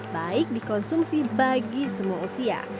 baik dikonsumsi bagi semua usia